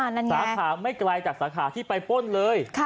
สาขาไม่ไกลจากสาขาที่ไปป้นเลย